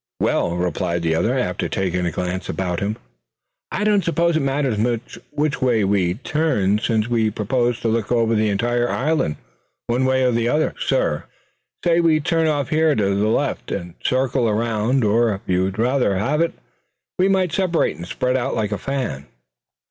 "Well," replied the other, after taking a glance about him, "I don't suppose it matters much which way we turn, since we propose to look over the entire island one way or another, suh. Say we turn off here to the left, and circle around. Or if you would rather have it, we might separate and spread out like a fan."